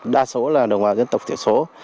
đa số là đồng bào dân tộc tiểu số